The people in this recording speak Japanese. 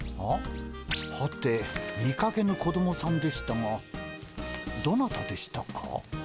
はて見かけぬ子供さんでしたがどなたでしたか？